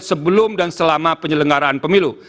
sebelum dan selama penyelenggaraan pemilu